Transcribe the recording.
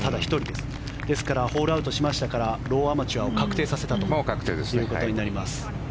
ですからホールアウトしましたからローアマチュアを確定させたということになります。